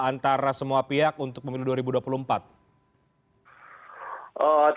antara semua pihak untuk pemilu dua ribu dua puluh empat